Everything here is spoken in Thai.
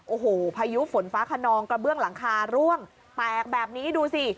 โอ้โหพายุฝนฟ้าขนองกระเบื้องหลังคาร่วงแตกแบบนี้ดูสิ